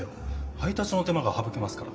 配たつの手間がはぶけますから。